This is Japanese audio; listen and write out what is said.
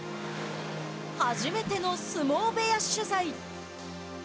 初めての相撲部屋取材。